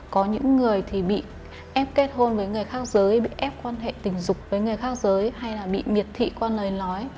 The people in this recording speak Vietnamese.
có những người thì bị ép kết hôn với người khác giới bị ép quan hệ tình dục với người khác giới hay là bị miệt thị qua lời nói